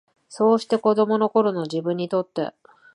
そうして、子供の頃の自分にとって、